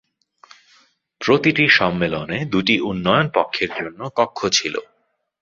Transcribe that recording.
প্রতিটি সম্মেলনে দুটি উন্নয়ন পক্ষের জন্য কক্ষ ছিল।